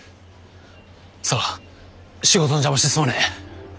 沙和仕事の邪魔してすまねえ。